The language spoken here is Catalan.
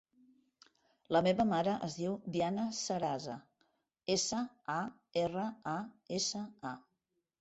La meva mare es diu Diana Sarasa: essa, a, erra, a, essa, a.